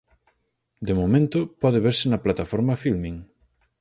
De momento pode verse na plataforma Filmin.